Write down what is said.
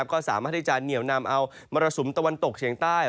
ก็สามารถที่จะเหนียวนำเอามรสุมตะวันตกเฉียงใต้